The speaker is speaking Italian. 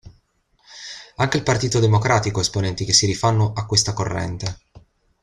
Anche il Partito Democratico ha esponenti che si rifanno a questa corrente.